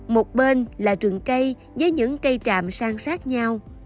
một bên là rừng cây với những cây tràm sang sát nhau